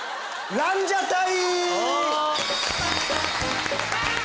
ランジャタイ！